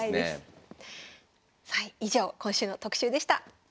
以上今週の特集でした。